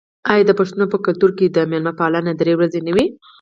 آیا د پښتنو په کلتور کې د میلمه پالنه درې ورځې نه وي؟